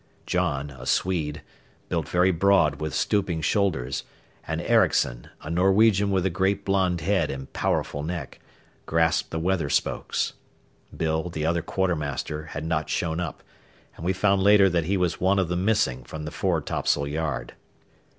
John, a Swede, built very broad with stooping shoulders, and Erikson, a Norwegian with a great blond head and powerful neck, grasped the weather spokes. Bill, the other quartermaster, had not shown up, and we found later that he was one of the missing from the fore topsail yard.